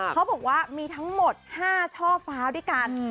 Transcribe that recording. เขาบอกว่ามีทั้งหมด๕ช่อฟ้าด้วยกัน